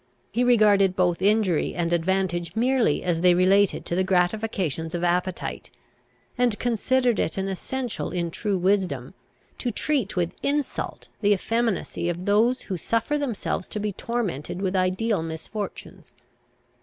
He regarded both injury and advantage merely as they related to the gratifications of appetite; and considered it an essential in true wisdom, to treat with insult the effeminacy of those who suffer themselves to be tormented with ideal misfortunes.